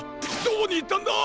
どこにいったんだ！